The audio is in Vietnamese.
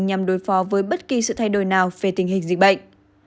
nhằm đối phó với bất kỳ sự thay đổi nào về tình hình dịch bệnh